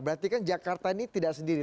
berarti kan jakarta ini tidak sendiri